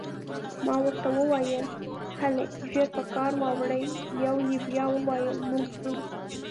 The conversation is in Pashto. ما ورته وویل: هلئ، ژر په کار واوړئ، یوه یې بیا وویل: موږ ځو.